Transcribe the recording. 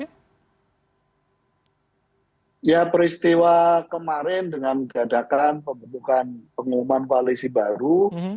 ya peristiwa kemarin dengan dadakan pembentukan pengumuman koalisi baru